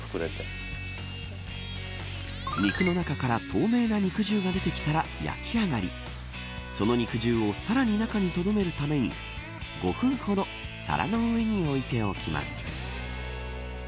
透明な肉汁が出てきたら焼き上がりその肉汁をさらに中にとどめるために５分ほど皿の上に置いておきます。